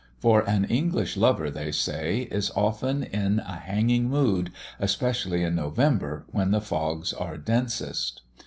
For an English lover, they say, is often in a hanging mood, especially in November, when the fogs are densest.